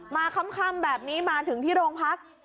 ค่ำแบบนี้มาถึงที่โรงพัก